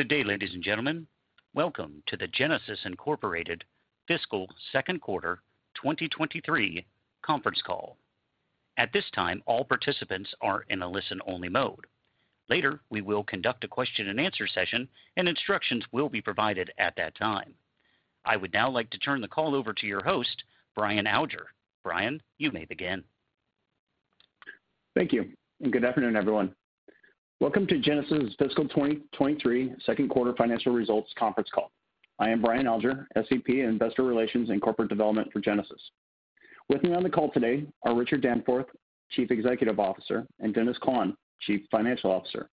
Good day, ladies and gentlemen. Welcome to the Genasys Inc. Fiscal Second Quarter 2023 conference call. At this time, all participants are in a listen-only mode. Later, we will conduct a question and answer session, and instructions will be provided at that time. I would now like to turn the call over to your host, Brian Alger. Brian, you may begin. Thank you, and good afternoon, everyone. Welcome to Genasys's Fiscal 2023 second quarter financial results conference call. I am Brian Alger, SVP, Investor Relations and Corporate Development for Genasys. With me on the call today are Richard Danforth, Chief Executive Officer, and Dennis Klahn, Chief Financial Officer.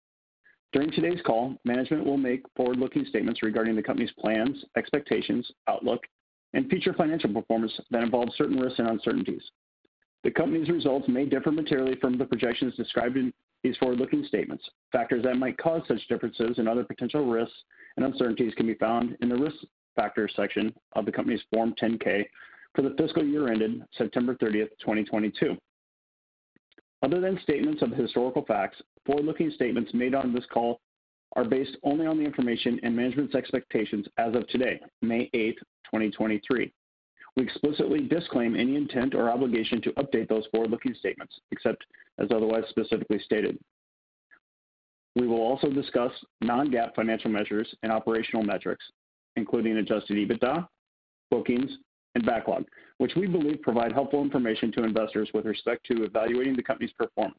During today's call, management will make forward-looking statements regarding the company's plans, expectations, outlook, and future financial performance that involve certain risks and uncertainties. The company's results may differ materially from the projections described in these forward-looking statements. Factors that might cause such differences and other potential risks and uncertainties can be found in the Risk Factors section of the company's Form 10-K for the fiscal year ended September 30th, 2022. Other than statements of historical facts, forward-looking statements made on this call are based only on the information and management's expectations as of today, May 8th, 2023. We explicitly disclaim any intent or obligation to update those forward-looking statements, except as otherwise specifically stated. We will also discuss non-GAAP financial measures and operational metrics, including adjusted EBITDA, bookings, and backlog, which we believe provide helpful information to investors with respect to evaluating the company's performance.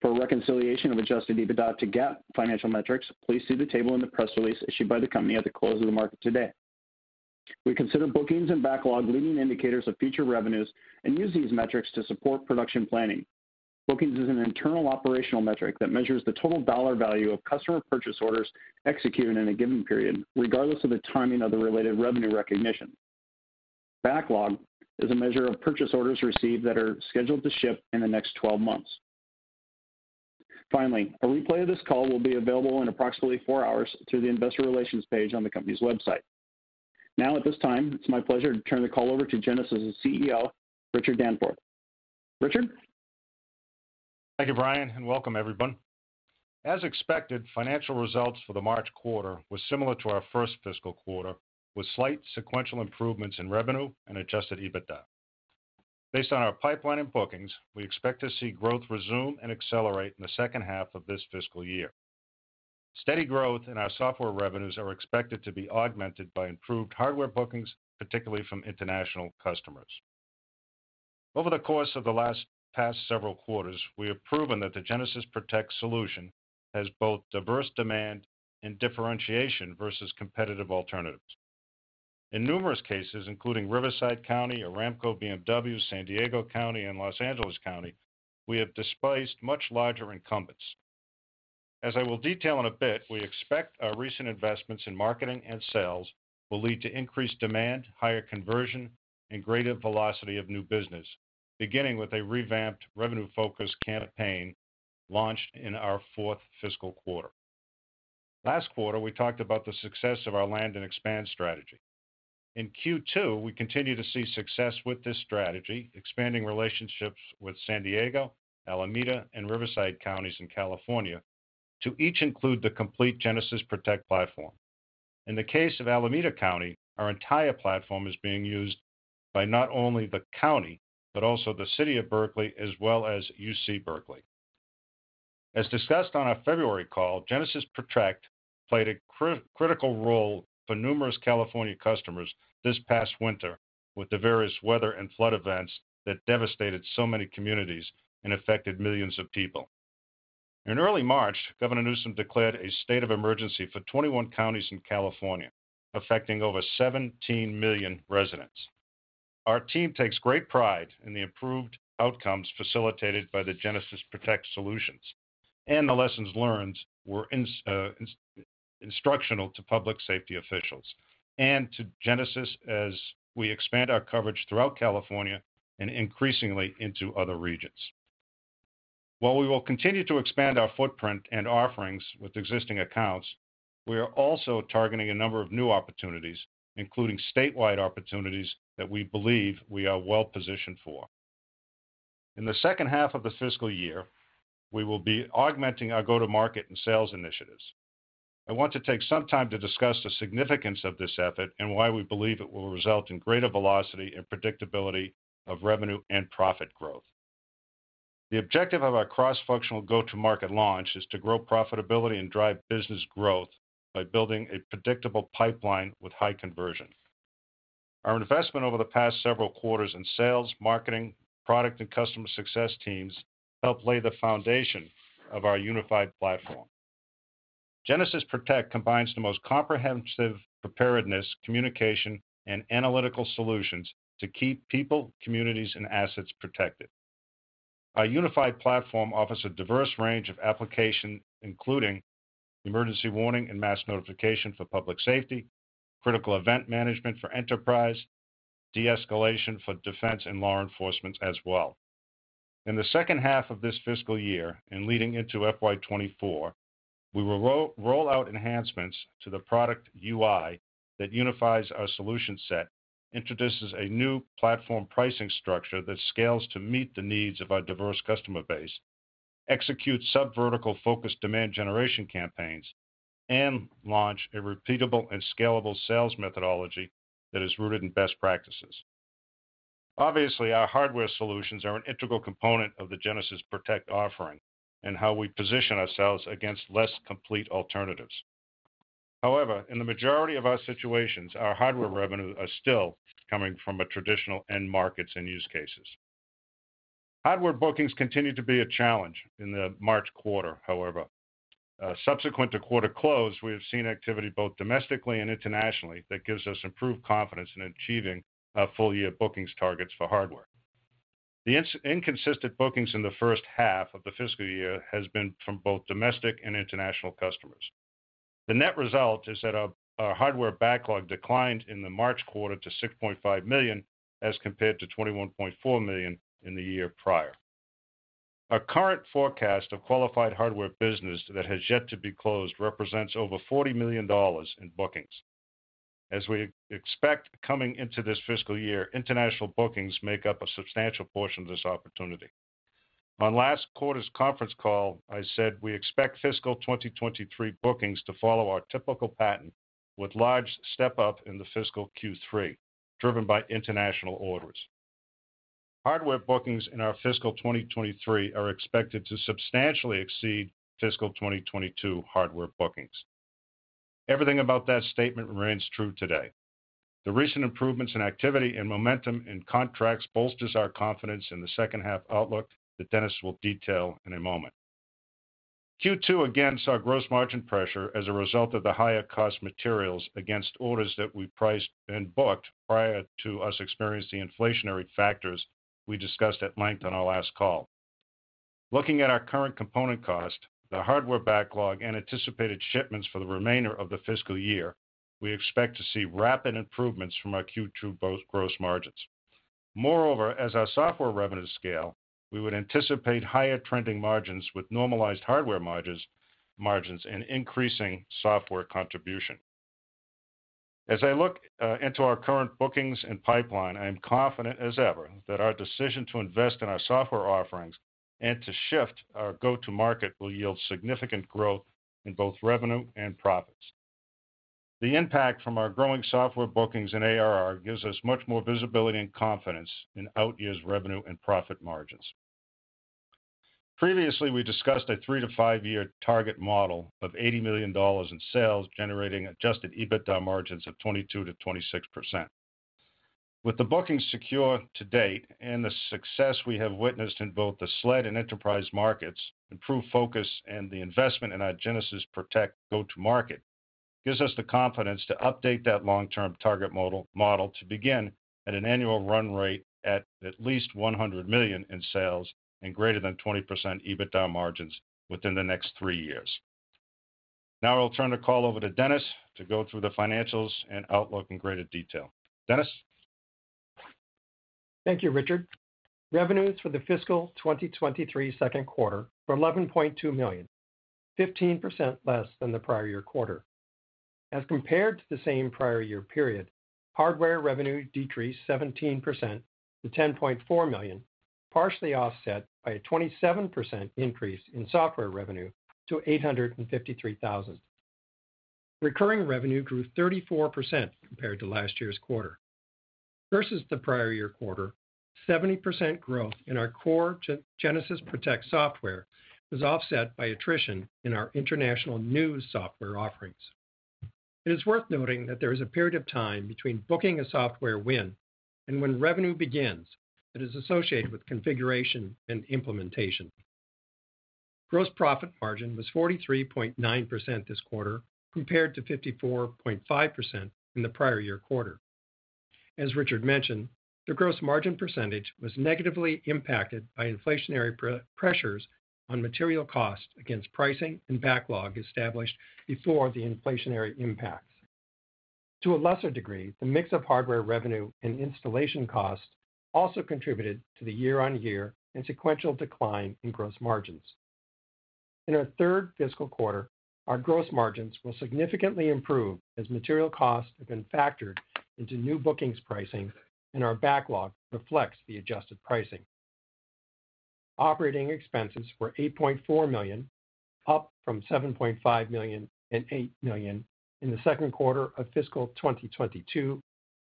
For a reconciliation of adjusted EBITDA to GAAP financial metrics, please see the table in the press release issued by the company at the close of the market today. We consider bookings and backlog leading indicators of future revenues and use these metrics to support production planning. Bookings is an internal operational metric that measures the total dollar value of customer purchase orders executed in a given period, regardless of the timing of the related revenue recognition. Backlog is a measure of purchase orders received that are scheduled to ship in the next 12 months. A replay of this call will be available in approximately four hours through the investor relations page on the company's website. At this time, it's my pleasure to turn the call over to Genasys CEO, Richard Danforth. Richard? Thank you, Brian. Welcome everyone. As expected, financial results for the March quarter were similar to our first fiscal quarter, with slight sequential improvements in revenue and adjusted EBITDA. Based on our pipeline and bookings, we expect to see growth resume and accelerate in the second half of this fiscal year. Steady growth in our software revenues are expected to be augmented by improved hardware bookings, particularly from international customers. Over the course of the last past several quarters, we have proven that the Genasys Protect solution has both diverse demand and differentiation versus competitive alternatives. In numerous cases, including Riverside County or Aramco, BMW, San Diego County, and Los Angeles County, we have displaced much larger incumbents. As I will detail in a bit, we expect our recent investments in marketing and sales will lead to increased demand, higher conversion, and greater velocity of new business, beginning with a revamped revenue-focused campaign launched in our 4th fiscal quarter. Last quarter, we talked about the success of our land and expand strategy. In Q2, we continued to see success with this strategy, expanding relationships with San Diego, Alameda, and Riverside Counties in California to each include the complete Genasys Protect platform. In the case of Alameda County, our entire platform is being used by not only the county, but also the City of Berkeley as well as UC Berkeley. As discussed on our February call, Genasys Protect played a critical role for numerous California customers this past winter with the various weather and flood events that devastated so many communities and affected millions of people. In early March, Governor Newsom declared a state of emergency for 21 counties in California, affecting over 17 million residents. Our team takes great pride in the improved outcomes facilitated by the Genasys Protect solutions, and the lessons learned were instructional to public safety officials, and to Genasys as we expand our coverage throughout California and increasingly into other regions. While we will continue to expand our footprint and offerings with existing accounts, we are also targeting a number of new opportunities, including statewide opportunities that we believe we are well-positioned for. In the second half of the fiscal year, we will be augmenting our go-to-market and sales initiatives. I want to take some time to discuss the significance of this effort and why we believe it will result in greater velocity and predictability of revenue and profit growth. The objective of our cross-functional go-to-market launch is to grow profitability and drive business growth by building a predictable pipeline with high conversion. Our investment over the past several quarters in sales, marketing, product, and customer success teams helped lay the foundation of our unified platform. Genasys Protect combines the most comprehensive preparedness, communication, and analytical solutions to keep people, communities, and assets protected. Our unified platform offers a diverse range of application, including emergency warning and mass notification for public safety, critical event management for enterprise, de-escalation for defense and law enforcement as well. In the second half of this fiscal year and leading into FY 2024, we will roll out enhancements to the product UI that unifies our solution set, introduces a new platform pricing structure that scales to meet the needs of our diverse customer base, executes sub-vertical focused demand generation campaigns, and launch a repeatable and scalable sales methodology that is rooted in best practices. Obviously, our hardware solutions are an integral component of the Genasys Protect offering and how we position ourselves against less complete alternatives. However, in the majority of our situations, our hardware revenue are still coming from traditional end markets and use cases. Hardware bookings continue to be a challenge in the March quarter, however. Subsequent to quarter close, we have seen activity both domestically and internationally that gives us improved confidence in achieving our full year bookings targets for hardware. The inconsistent bookings in the first half of the fiscal year has been from both domestic and international customers. The net result is that our hardware backlog declined in the March quarter to $6.5 million, as compared to $21.4 million in the year prior. Our current forecast of qualified hardware business that has yet to be closed represents over $40 million in bookings. As we expect coming into this fiscal year, international bookings make up a substantial portion of this opportunity. On last quarter's conference call, I said we expect fiscal 2023 bookings to follow our typical pattern with large step-up in the fiscal Q3, driven by international orders. Hardware bookings in our fiscal 2023 are expected to substantially exceed fiscal 2022 hardware bookings. Everything about that statement remains true today. The recent improvements in activity and momentum in contracts bolsters our confidence in the second half outlook that Dennis will detail in a moment. Q2 again saw gross margin pressure as a result of the higher cost materials against orders that we priced and booked prior to us experiencing the inflationary factors we discussed at length on our last call. Looking at our current component cost, the hardware backlog, and anticipated shipments for the remainder of the fiscal year, we expect to see rapid improvements from our Q2 gross margins. As our software revenues scale, we would anticipate higher trending margins with normalized hardware margins and increasing software contribution. As I look into our current bookings and pipeline, I am confident as ever that our decision to invest in our software offerings and to shift our go-to-market will yield significant growth in both revenue and profits. The impact from our growing software bookings and ARR gives us much more visibility and confidence in out years revenue and profit margins. Previously, we discussed a three to five year target model of $80 million in sales generating adjusted EBITDA margins of 22%-26%. With the bookings secure to date and the success we have witnessed in both the SLED and enterprise markets, improved focus, and the investment in our Genasys Protect go-to-market, gives us the confidence to update that long-term target model to begin at an annual run rate at least $100 million in sales and greater than 20% EBITDA margins within the next three years. I'll turn the call over to Dennis to go through the financials and outlook in greater detail. Dennis? Thank you, Richard. Revenues for the fiscal 2023 second quarter were $11.2 million, 15% less than the prior year quarter. Compared to the same prior year period, hardware revenue decreased 17% to $10.4 million, partially offset by a 27% increase in software revenue to $853,000. Recurring revenue grew 34% compared to last year's quarter. Versus the prior year quarter, 70% growth in our core Genasys Protect software was offset by attrition in our international new software offerings. It is worth noting that there is a period of time between booking a software win and when revenue begins that is associated with configuration and implementation. Gross profit margin was 43.9% this quarter, compared to 54.5% in the prior year quarter. As Richard mentioned, the gross margin percentage was negatively impacted by inflationary pressures on material costs against pricing and backlog established before the inflationary impacts. To a lesser degree, the mix of hardware revenue and installation costs also contributed to the year-on-year and sequential decline in gross margins. In our third fiscal quarter, our gross margins will significantly improve as material costs have been factored into new bookings pricing and our backlog reflects the adjusted pricing. Operating expenses were $8.4 million, up from $7.5 million and $8 million in the second quarter of fiscal 2022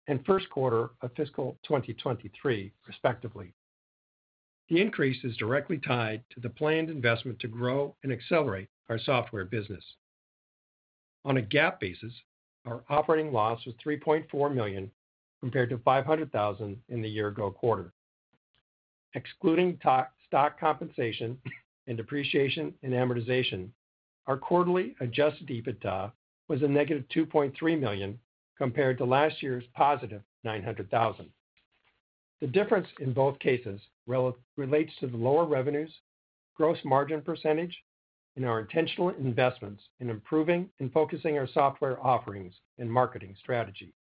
and first quarter of fiscal 2023 respectively. On a GAAP basis, our operating loss was $3.4 million, compared to $500,000 in the year ago quarter. Excluding stock compensation and depreciation and amortization, our quarterly adjusted EBITDA was a negative $2.3 million, compared to last year's positive $900,000. The difference in both cases relates to the lower revenues, gross margin %, and our intentional investments in improving and focusing our software offerings and marketing strategy.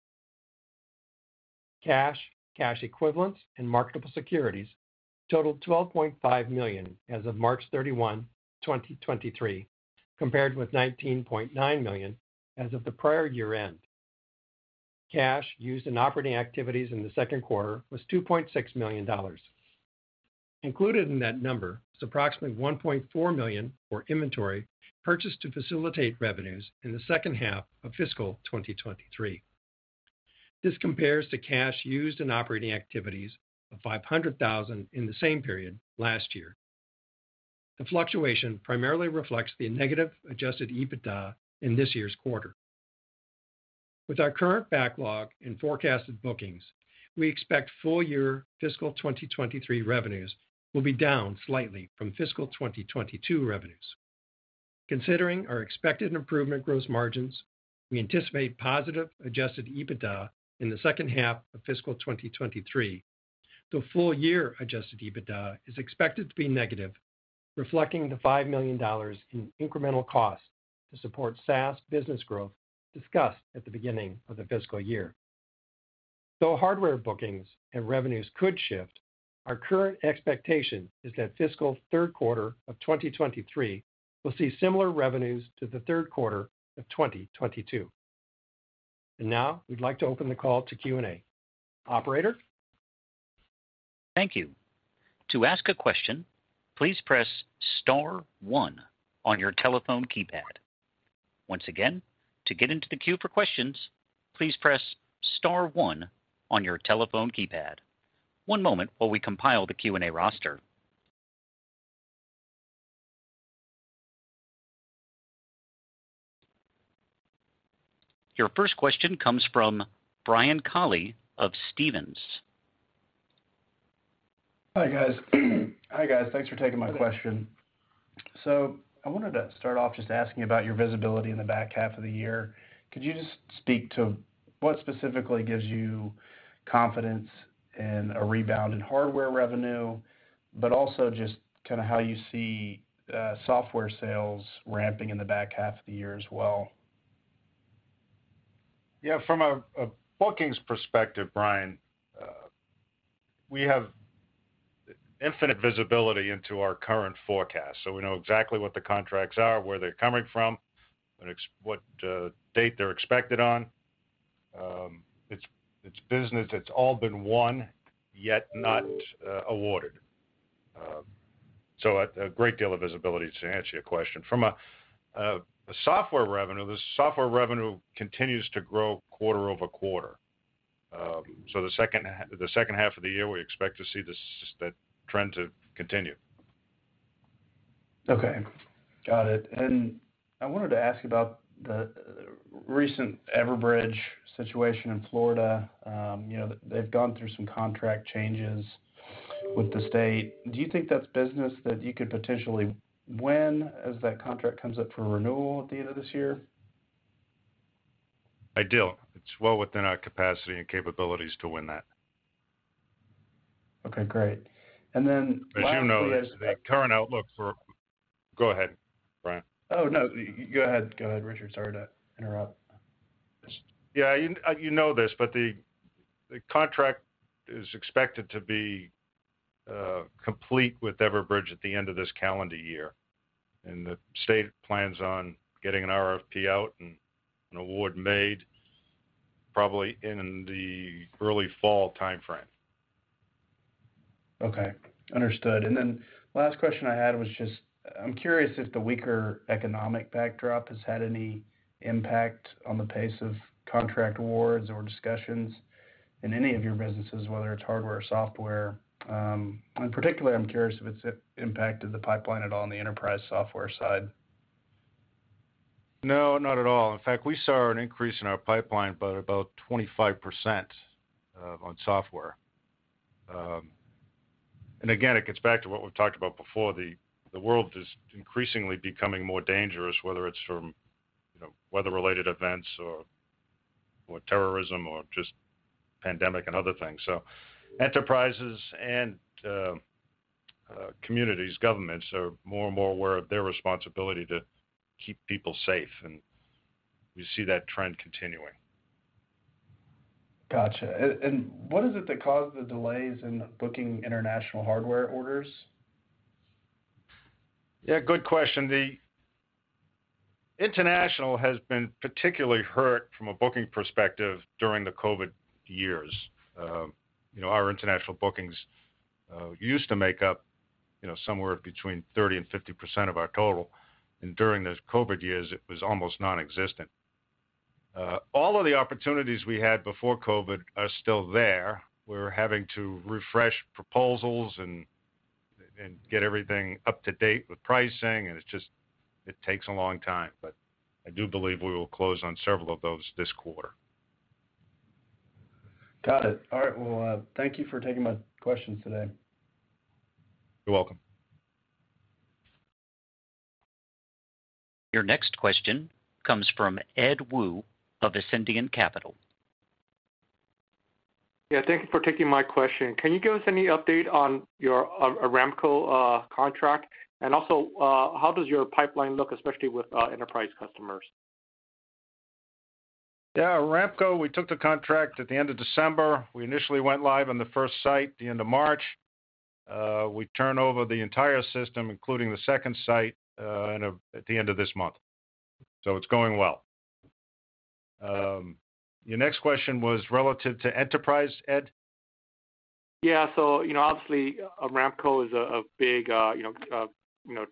Cash, cash equivalents, and marketable securities totaled $12.5 million as of March 31, 2023. Compared with $19.9 million as of the prior year-end. Cash used in operating activities in the second quarter was $2.6 million. Included in that number is approximately $1.4 million for inventory purchased to facilitate revenues in the second half of fiscal 2023. This compares to cash used in operating activities of $500,000 in the same period last year. The fluctuation primarily reflects the negative adjusted EBITDA in this year's quarter. With our current backlog and forecasted bookings, we expect full year fiscal 2023 revenues will be down slightly from fiscal 2022 revenues. Considering our expected improvement gross margins, we anticipate positive adjusted EBITDA in the second half of fiscal 2023, though full year adjusted EBITDA is expected to be negative, reflecting the $5 million in incremental cost to support SaaS business growth discussed at the beginning of the fiscal year. Hardware bookings and revenues could shift, our current expectation is that fiscal third quarter of 2023 will see similar revenues to the third quarter of 2022. Now we'd like to open the call to Q&A. Operator? Thank you. To ask a question, please press star one on your telephone keypad. Once again, to get into the queue for questions, please press star one on your telephone keypad. One moment while we compile the Q&A roster. Your first question comes from Brian Colley of Stephens. Hi, guys. Thanks for taking my question. I wanted to start off just asking about your visibility in the back half of the year. Could you just speak to what specifically gives you confidence in a rebound in hardware revenue, but also just kind of how you see software sales ramping in the back half of the year as well? From a bookings perspective, Brian, we have infinite visibility into our current forecast. We know exactly what the contracts are, where they're coming from and what date they're expected on. It's business that's all been won, yet not awarded. A great deal of visibility to answer your question. From a software revenue, the software revenue continues to grow quarter-over-quarter. The second half of the year, we expect to see this, that trend to continue. Okay. Got it. I wanted to ask about the recent Everbridge situation in Florida. You know, they've gone through some contract changes with the state. Do you think that's business that you could potentially win as that contract comes up for renewal at the end of this year? I do. It's well within our capacity and capabilities to win that. Okay, great. finally- As you know, the current outlook for... Go ahead, Brian. Oh, no. Go ahead. Go ahead, Richard. Sorry to interrupt. Yeah, you know this, but the contract is expected to be complete with Everbridge at the end of this calendar year. The state plans on getting an RFP out and an award made probably in the early fall timeframe. Okay. Understood. Last question I had was just I'm curious if the weaker economic backdrop has had any impact on the pace of contract awards or discussions in any of your businesses, whether it's hardware or software. Particularly, I'm curious if it's impacted the pipeline at all on the enterprise software side. No, not at all. In fact, we saw an increase in our pipeline by about 25% on software. Again, it gets back to what we've talked about before. The world is increasingly becoming more dangerous, whether it's from, you know, weather-related events or terrorism or just pandemic and other things. Enterprises and communities, governments are more and more aware of their responsibility to keep people safe, and we see that trend continuing. Gotcha. What is it that caused the delays in booking international hardware orders? Yeah, good question. The international has been particularly hurt from a booking perspective during the COVID years. You know, our international bookings, used to make up, you know, somewhere between 30% and 50% of our total, and during those COVID years, it was almost nonexistent. All of the opportunities we had before COVID are still there. We're having to refresh proposals and get everything up to date with pricing, and it takes a long time. I do believe we will close on several of those this quarter. Got it. All right. Well, thank you for taking my questions today. You're welcome. Your next question comes from Ed Woo of Ascendiant Capital. Yeah. Thank you for taking my question. Can you give us any update on your Aramco contract? How does your pipeline look, especially with enterprise customers? Yeah, Aramco, we took the contract at the end of December. We initially went live on the first site the end of March. We turn over the entire system, including the second site, at the end of this month. It's going well. Your next question was relative to enterprise, Ed? Yeah. you know, obviously, Aramco is a big, you know,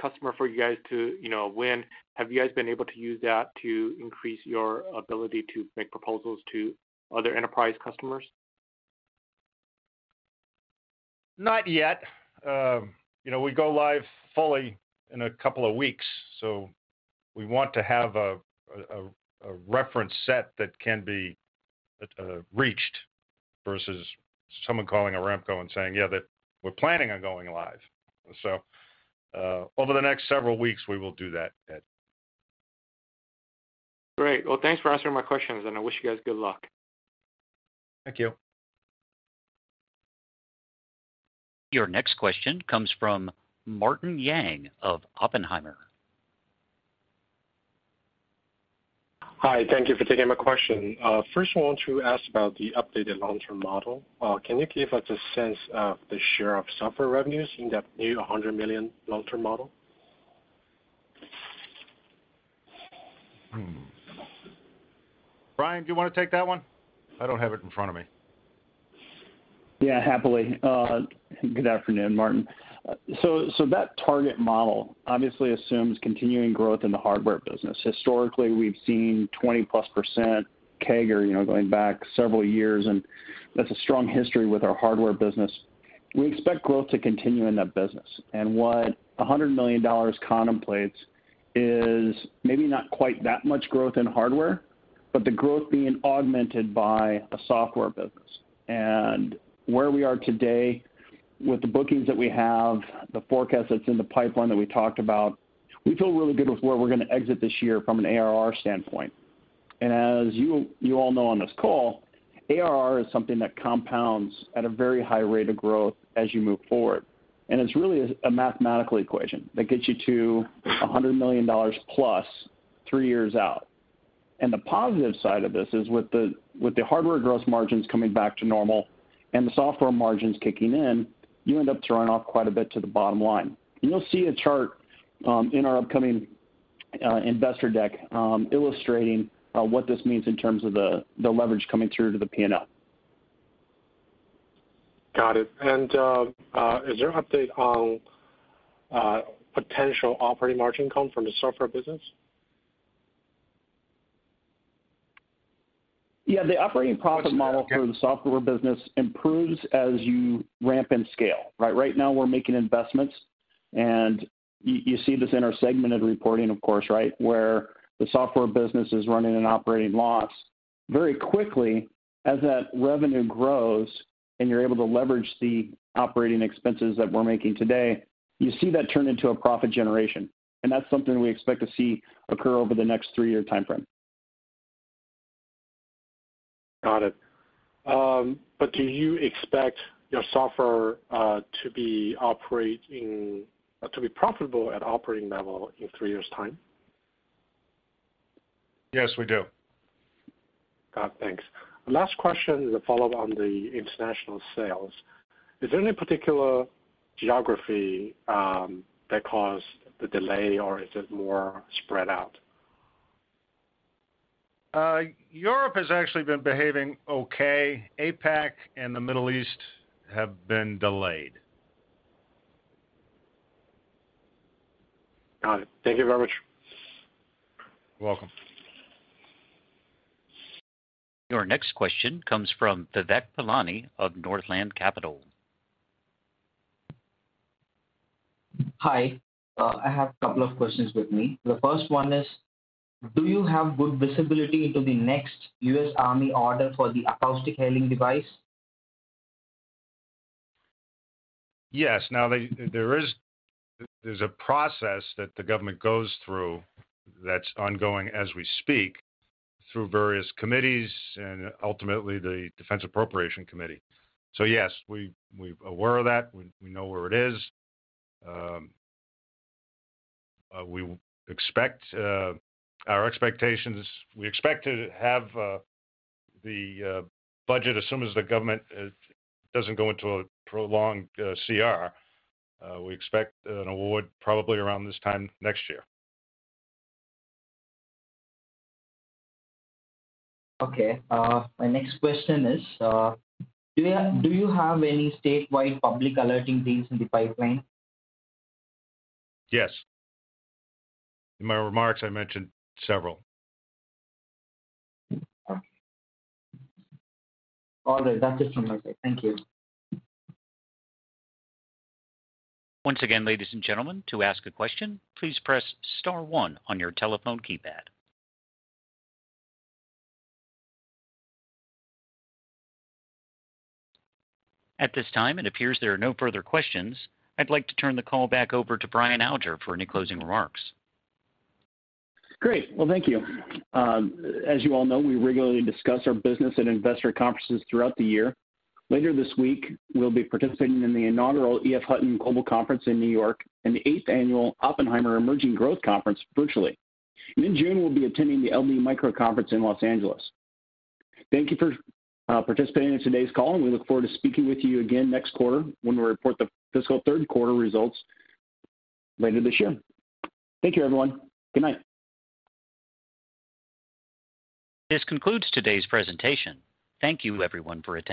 customer for you guys to, you know, win. Have you guys been able to use that to increase your ability to make proposals to other enterprise customers? Not yet. You know, we go live fully in a couple of weeks, so we want to have a reference set that can be reached versus someone calling Aramco and saying, "Yeah, that we're planning on going live." Over the next several weeks, we will do that, Ed. Great. Well, thanks for answering my questions, and I wish you guys good luck. Thank you. Your next question comes from Martin Yang of Oppenheimer. Hi. Thank you for taking my question. First I want to ask about the updated long-term model. Can you give us a sense of the share of software revenues in that new $100 million long-term model? Hmm. Brian, do you wanna take that one? I don't have it in front of me. Yeah, happily. Good afternoon, Martin. That target model obviously assumes continuing growth in the hardware business. Historically, we've seen 20%+ CAGR, you know, going back several years, and that's a strong history with our hardware business. We expect growth to continue in that business. What $100 million contemplates is maybe not quite that much growth in hardware, but the growth being augmented by a software business. Where we are today with the bookings that we have, the forecast that's in the pipeline that we talked about, we feel really good with where we're gonna exit this year from an ARR standpoint. As you all know on this call, ARR is something that compounds at a very high rate of growth as you move forward, and it's really a mathematical equation that gets you to $100 million plus three years out. The positive side of this is with the hardware gross margins coming back to normal and the software margins kicking in, you end up throwing off quite a bit to the bottom line. You'll see a chart in our upcoming investor deck illustrating what this means in terms of the leverage coming through to the P&L. Got it. Is there an update on potential operating margin come from the software business? Yeah, the operating profit model for the software business improves as you ramp and scale, right? Right now, we're making investments, and you see this in our segmented reporting, of course, right, where the software business is running an operating loss. Very quickly, as that revenue grows and you're able to leverage the operating expenses that we're making today, you see that turn into a profit generation, and that's something we expect to see occur over the next three-year timeframe. Got it. Do you expect your software to be operating to be profitable at operating level in three years' time? Yes, we do. Thanks. Last question is a follow on the international sales. Is there any particular geography, that caused the delay, or is it more spread out? Europe has actually been behaving okay. APAC and the Middle East have been delayed. Got it. Thank you very much. You're welcome. Your next question comes from [inaudible] of Northland Capital. Hi, I have a couple of questions with me. The first one is, do you have good visibility into the next U.S. Army order for the acoustic hailing device? Yes. Now, there's a process that the government goes through that's ongoing as we speak through various committees and ultimately the Defense Appropriations Subcommittee. Yes, we're aware of that. We know where it is. Our expectation is we expect to have the budget as soon as the government doesn't go into a prolonged CR. We expect an award probably around this time next year. Okay. My next question is, do you have any statewide public alerting deals in the pipeline? Yes. In my remarks, I mentioned several. Okay. All good. That's it from my side. Thank you. Once again, ladies and gentlemen, to ask a question, please press star one on your telephone keypad. At this time, it appears there are no further questions. I'd like to turn the call back over to Brian Alger for any closing remarks. Great. Well, thank you. As you all know, we regularly discuss our business at investor conferences throughout the year. Later this week, we'll be participating in the inaugural EF Hutton Global Conference in New York and the eighth annual Oppenheimer Emerging Growth Conference virtually. In June, we'll be attending the LD Micro Conference in Los Angeles. Thank you for participating in today's call, and we look forward to speaking with you again next quarter when we report the fiscal third quarter results later this year. Thank you, everyone. Good night. This concludes today's presentation. Thank you, everyone, for attending.